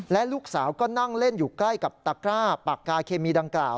และลูกสาวก็นั่งเล่นอยู่ใกล้กับตะกร้าปากกาเคมีดังกล่าว